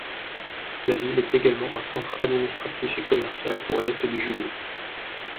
La ville est également un centre administratif et commercial pour l'est du județ.